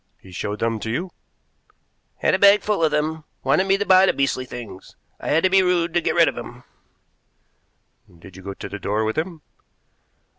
"He showed them to you?" "Had a bag full of them. Wanted me to buy the beastly things. I had to be rude to him to get rid of him." "Did you go to the door with him?"